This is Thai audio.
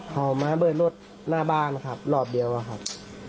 เอามาระเบิดรถหน้าบ้านครับรอบเดียวอะครับ